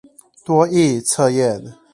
多益測驗